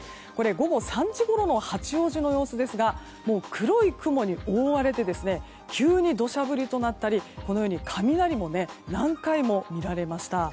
午後３時ごろの八王子の様子ですがもう黒い雲に覆われて急に土砂降りとなったり雷も何回も見られました。